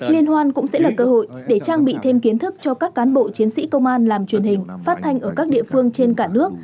liên hoan cũng sẽ là cơ hội để trang bị thêm kiến thức cho các cán bộ chiến sĩ công an làm truyền hình phát thanh ở các địa phương trên cả nước